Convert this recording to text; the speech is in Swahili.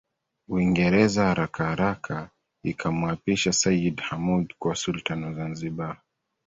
Uingereza harakaharaka ikamuapisha Seyyid Hamoud kuwa Sultan wa Zanzibar